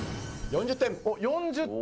４０点！